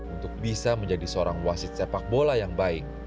untuk bisa menjadi seorang wasit sepak bola yang baik